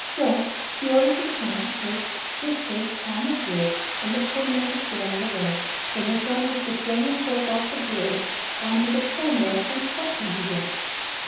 So he ordered the son to take his place upon the bridge and the poor man to stand below. Then the son was to throw himself off the bridge on to the poor man and crush him to death.